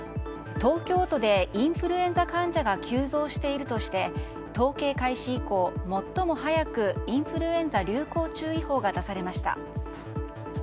東京都でインフルエンザ患者が急増しているとして統計開始以降、最も早くインフルエンザ流行注意報が出されました。